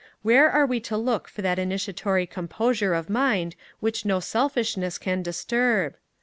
Where are we to look for that initiatory composure of mind which no selfishness can disturb?